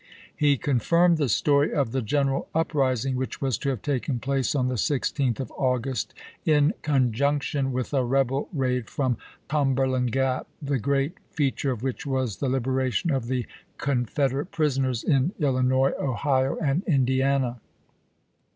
He confirmed the story of the general up rising which was to have taken place on the 16th of August in conjunction with a rebel raid from ise*. Cumberland Grap, the great feature of which was the liberation of the Confederate prisoners in Illi ABKAHAM LINCOLN oils," p. 174. Chap. I. nois, Ohio, and Indiana.